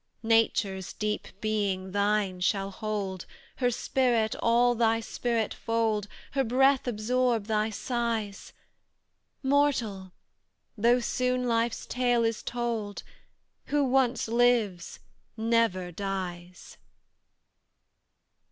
Nature's deep being, thine shall hold, Her spirit all thy spirit fold, Her breath absorb thy sighs. Mortal! though soon life's tale is told; Who once lives, never dies!"